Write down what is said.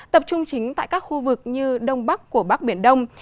tập trung chính tại các khu vực như đông bắc của bắc biển đông